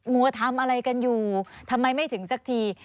กลัวทำอะไรกันอยู่ทำไมไม่ถึงสักที